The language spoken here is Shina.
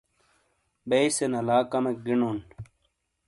بیئ سے نلا کمیک گینون۔